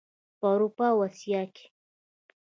په اروپا او اسیا کې.